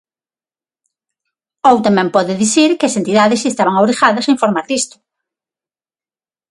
Ou tamén pode dicir que as entidades si estaban obrigadas a informar disto.